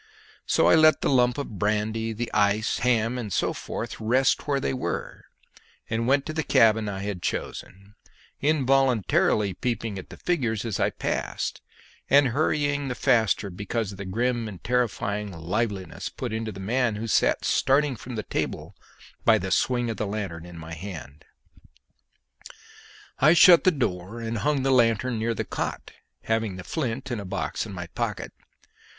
So I let the lump of brandy, the ice, ham, and so forth, rest where they were, and went to the cabin I had chosen, involuntarily peeping at the figures as I passed, and hurrying the faster because of the grim and terrifying liveliness put into the man who sat starting from the table by the swing of the lanthorn in my hand. I shut the door and hung the lanthorn near the cot, having the flint and box in my pocket.